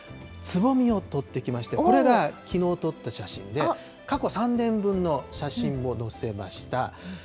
つぼみを撮ってきまして、これがきのう撮った写真で、過去３年分の写真を載せました。